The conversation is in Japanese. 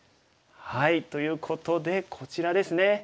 ということでこちらですね。